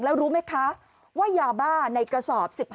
แล้วรู้ไหมคะว่ายาบ้าในกระสอบ๑๕